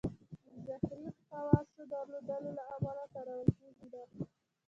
د زهري خواصو درلودلو له امله کارول کېږي نه.